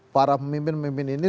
para pemimpin pemimpin ini